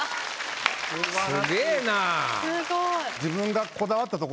すげぇな。